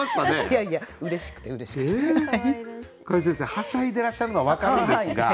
はしゃいでらっしゃるのは分かるんですが。